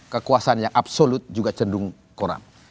kekuasaan yang absolut juga cenderung corrupt